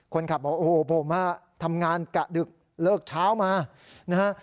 คนขับบอกโอ้โหผมทำงานกะดึกเลิกเช้ามานะฮะ